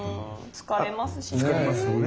疲れますよね。